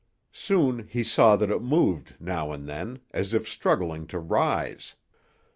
Soon he saw that it moved now and then, as if struggling to rise.